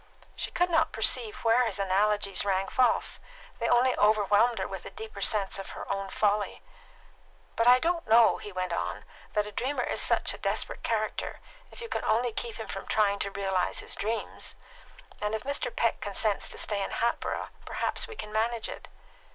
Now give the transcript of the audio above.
She could not perceive where his analogies rang false; they only overwhelmed her with a deeper sense of her own folly. "But I don't know," he went on, "that a dreamer is such a desperate character, if you can only keep him from trying to realise his dreams; and if Mr. Peck consents to stay in Hatboro', perhaps we can manage it."